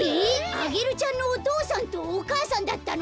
アゲルちゃんのおとうさんとおかあさんだったの！？